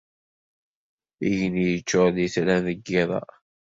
Igenni yeččuṛ d itran deg yiḍ-a.